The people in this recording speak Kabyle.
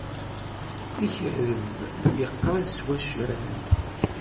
Ikerreb yeqqaz s waccaren.